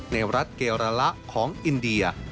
ในรัฐเกราละของอินเดีย